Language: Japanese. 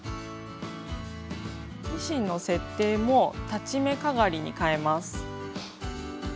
ミシンの設定も裁ち目かがりにかえます。